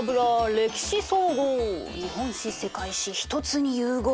歴史総合日本史世界史一つに融合。